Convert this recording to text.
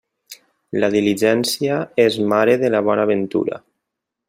La diligència és mare de la bona ventura.